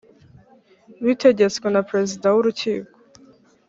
bitegetswe na Perezida w urukiko